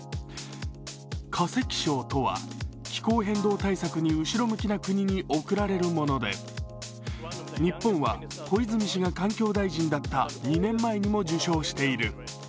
化石賞とは、気候変動対策に後ろ向きな国に贈られるもので日本は小泉氏が環境大臣だった２年前にも受賞している。